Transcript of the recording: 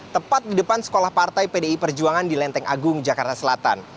tepat di depan sekolah partai pdi perjuangan di lenteng agung jakarta selatan